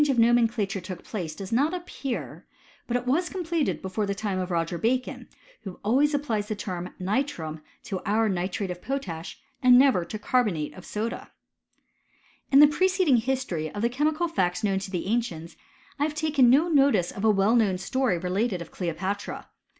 When this change of nomenclature took place does not appear ; but it was completed before the time of Roger Bacon, who always applies the term nitrum to our nitrate of potash and never to carbonate of soda. In the preceding history of the chemical facts known to the ancients, I have taken no notice of a well known story related of Cleopatra.